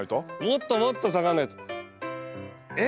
もっともっと下がんないと。え？